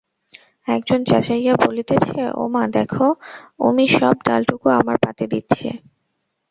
একজন চেঁচাইয়া বলিতেছে, ও মা দেখো, উমি সব ডালটুকু আমার পাতে দিচ্ছে!